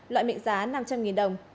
loại mệnh giá năm trăm linh nghìn đồng